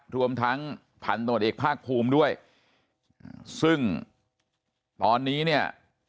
รวมทั้งพันตรวจเอกภาคภูมิด้วยซึ่งตอนนี้เนี่ย